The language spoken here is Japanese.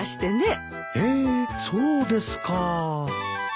へえーそうですか。